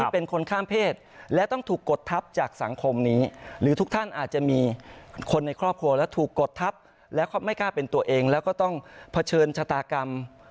เป็นคนข้ามเพศและต้องถูกกดทัพจากสังคมนี้หรือทุกท่านอาจจะมีคนในครอบครัวและถูกกดทัพและไม่กล้าเป็นตัวเองแล้วก็ต้องเผชิญชะตากรรม